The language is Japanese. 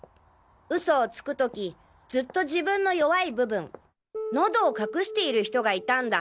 嘘をつく時ずっと自分の弱い部分喉を隠している人がいたんだ。